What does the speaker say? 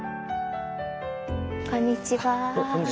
こんにちは。